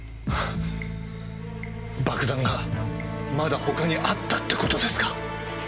爆弾がまだ他にあったって事ですか？